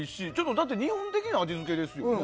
だって、日本的な味付けですよね。